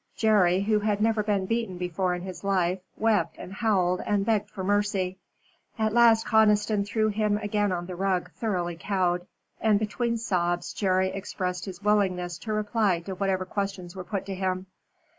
Jerry, who had never been beaten before in his life, wept and howled and begged for mercy. At last Conniston threw him again on the rug thoroughly cowed, and between sobs Jerry expressed his willingness to reply to whatever questions were put to him.